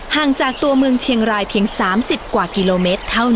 ห่างจากตัวเมืองเชียงรายเพียง๓๐กว่ากิโลเมตรเท่านั้น